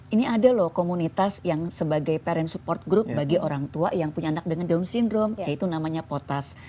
ini ada loh komunitas yang sebagai parent support group bagi orang tua yang punya anak dengan down syndrome yaitu namanya potas